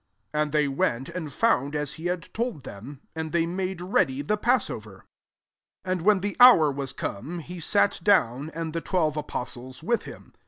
13 And they went, and found as he had told them : and they made ready the passover. 14 And when the hour was come, he sat down, and the twelve apostles with him.